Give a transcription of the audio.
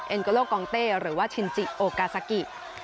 เอ็นโกโลกองเตหรือว่าชินจิโอกาซักกิ